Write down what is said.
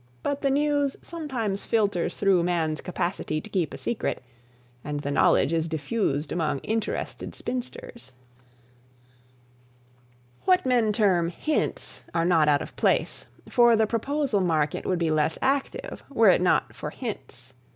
But the news sometimes filters through man's capacity to keep a secret, and the knowledge is diffused among interested spinsters. [Sidenote: Hints] What men term "hints" are not out of place, for the proposal market would be less active, were it not for "hints."